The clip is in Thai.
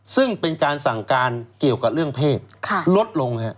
ซึ่งเป็นการสั่งการเกี่ยวกับเรื่องเพศลดลง